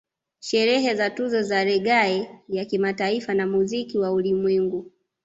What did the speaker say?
Sherehe za Tuzo za Reggae ya Kimataifa na Muziki wa ulimwengu